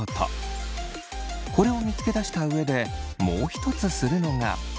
これを見つけ出した上でもう一つするのが。